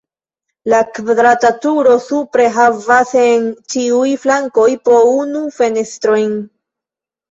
La kvadrata turo supre havas en ĉiuj flankoj po unu fenestrojn.